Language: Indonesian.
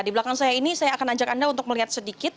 di belakang saya ini saya akan ajak anda untuk melihat sedikit